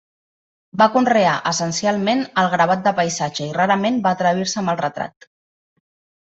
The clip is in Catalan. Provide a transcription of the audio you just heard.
Va conrear essencialment el gravat de paisatge, i rarament va atrevir-se amb el retrat.